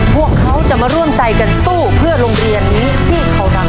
พวกเขาจะมาร่วมใจกันสู้เพื่อโรงเรียนนี้ที่เขาดัง